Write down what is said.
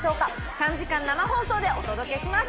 ３時間生放送でお届けします